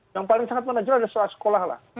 yang paling sangat menonjol adalah saat sekolah lah